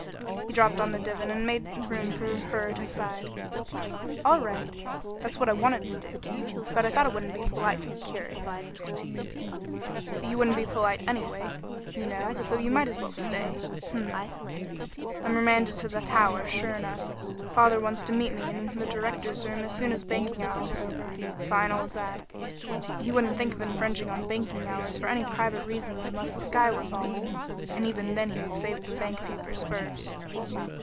He dropped on the divan and made room for her at his side. "All right! That's what I wanted to do, but I thought it wouldn't be polite to be curious." "But you wouldn't be polite anyway, you know, so you might as well stay. M m m. I'm remanded to the tower, sure enough. Father wants me to meet him in the director's room as soon as banking hours are over. Fine old Dad! He wouldn't think of infringing on banking hours for any private reasons unless the sky were falling, and even then he would save the bank papers first.